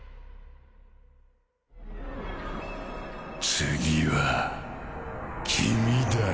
次は君だ。